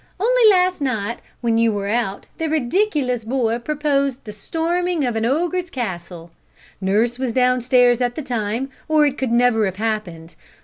Only last night, when you were out, the ridiculous boy proposed the storming of an ogre's castle. Nurse was down stairs at the time, or it could never have happened.